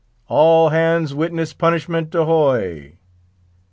"_All hands witness punishment, ahoy!